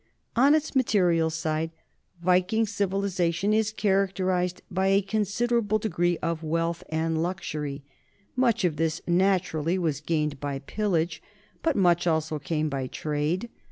On its material side Viking civilization is character ized by a considerable degree of wealth and luxury. Much of this, naturally, was gained by pillage, but much also came by trade.